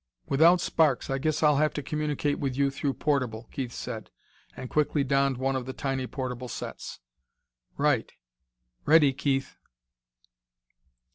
"Without Sparks, I guess I'll have to communicate with you through portable," Keith said, and quickly donned one of the tiny portable sets. "Right. Ready, Keith."